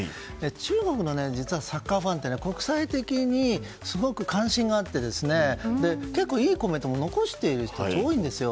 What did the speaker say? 中国のサッカーファンって実は国際的にすごく関心があって結構、いいコメントを残している人たちも多いんですよ。